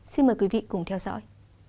xin mời quý vị cùng theo dõi